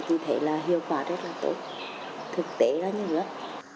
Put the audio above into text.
thì thấy là hiệu quả rất là tốt thực tế là như vậy